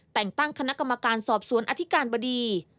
แต่งตั้งคณะกรรมการสอบสวนอธิการบดี